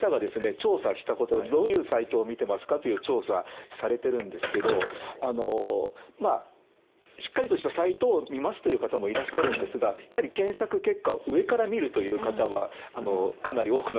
調査したことどういうサイトを見てますかという調査されてるんですけどあのまあしっかりとしたサイトを見ますという方もいらっしゃるんですがやはりという結果も出ております。